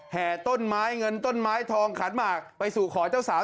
แห่ต้นไม้เงินต้นไม้ทองขันหมากไปสู่ขอเจ้าสาว